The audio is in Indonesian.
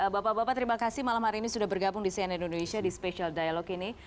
bapak bapak terima kasih malam hari ini sudah bergabung di cnn indonesia di special dialog ini